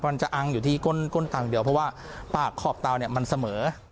มันจะอังอยู่ที่ก้นต่างเดียวเพราะว่าปากขอบเตามันเสมอ